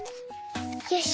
よし。